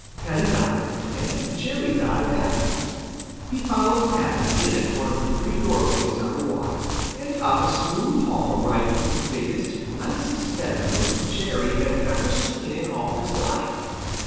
Paddy dived, and Jerry dived after him. He followed Paddy in at one of the three doorways under water and up a smooth hall right into the biggest, nicest bedroom Jerry had ever seen in all his life.